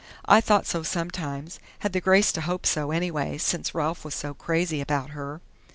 "I thought so sometimes had the grace to hope so, anyway, since Ralph was so crazy about her."